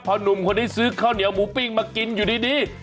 หนุ่มคนนี้ซื้อข้าวเหนียวหมูปิ้งมากินอยู่ดี